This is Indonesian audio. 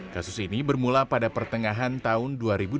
kasus ini bermula pada pertengahan tahun dua ribu dua puluh